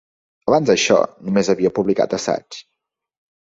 Abans d'això, només havia publicat assaigs.